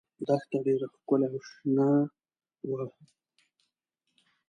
دښته ډېره ښکلې او شنه وه.